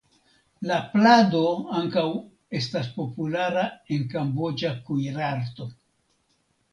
La plado ankaŭ estas populara en kamboĝa kuirarto.